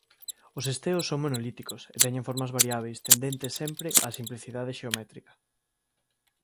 Os esteos son monolíticos e teñen formas variábeis tendentes sempre á simplicidade xeométrica.